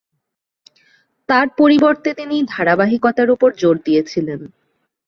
তার পরিবর্তে তিনি ধারাবাহিকতার উপর জোর দিয়েছিলেন।